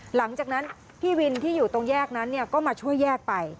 หลังจากนั้นพี่วินที่อยู่ตรงแยกนั้นก็มาช่วยแยกไป